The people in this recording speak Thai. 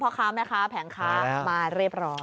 เพราะครับแม่ครับแผงครับมาเรียบร้อย